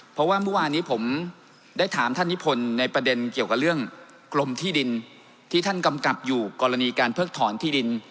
เพราะว่าเมื่อวานนี้ผมได้ถามท่านนิพนธ์ในประเด็นเกี่ยวกับเรื่องกรมที่ดินที่ท่านกำกับอยู่กรณีการเพิกถอนที่ดิน